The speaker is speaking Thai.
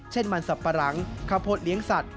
เช่นมันสับปะหลังข้าวโพดเลี้ยงสัตว